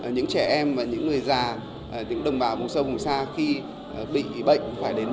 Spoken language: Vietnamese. những trẻ em và những người già những đồng bào vùng sâu vùng xa khi bị bệnh